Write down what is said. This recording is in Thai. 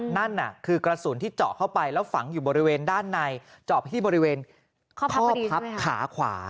นั่นน่ะคือกระสุนที่เจาะเข้าไปแล้วฝังอยู่บริเวณด้านในเจาะที่บริเวณข้อพับขาขวา